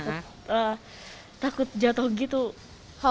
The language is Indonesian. mengaktivitas waktu dua jam